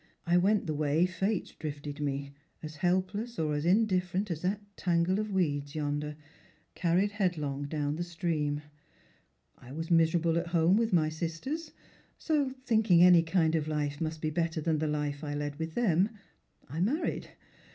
I went the way Fate drifted me, as helpless or as in different as that tangle of weeds yonder, carried headlong down the stream. I was miserable at home with my sisters; so, thinking any kind of life must be better than the life I led with them, I married.